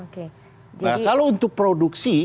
kalau untuk produksi